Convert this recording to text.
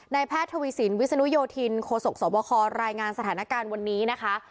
แพทย์ทวีสินวิศนุโยธินโคศกสวบครายงานสถานการณ์วันนี้นะคะ